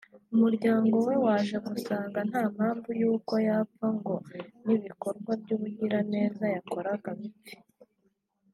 umuryango we waje gusanga nta mpamvu y’uko yapfa ngo n’ibikorwa by’ubugiraneza yakoraga bipfe